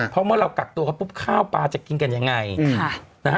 เพราะเมื่อเรากัดตัวแบบก็ปุ๊บข้าวปลาจะกินกันยังไงโอ้วค่ะ